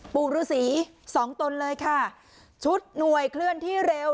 ปู่ฤษีสองตนเลยค่ะชุดหน่วยเคลื่อนที่เร็ว